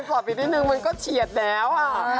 ตอบอีกนิดหนึ่งมันก็เฉียดแล้ว